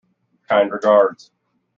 Kind regards.